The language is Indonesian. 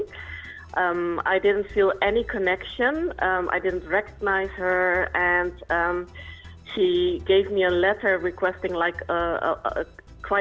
saya tidak merasa ada hubungan saya tidak mengenalinya dan dia memberikan saya sebuah letter yang menginginkan banyak uang